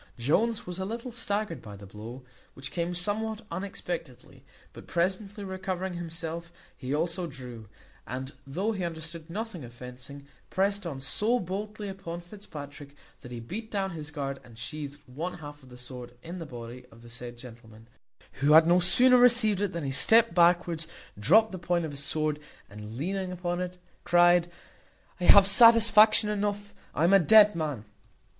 Jones was a little staggered by the blow, which came somewhat unexpectedly; but presently recovering himself he also drew, and though he understood nothing of fencing, prest on so boldly upon Fitzpatrick, that he beat down his guard, and sheathed one half of his sword in the body of the said gentleman, who had no sooner received it than he stept backwards, dropped the point of his sword, and leaning upon it, cried, "I have satisfaction enough: I am a dead man."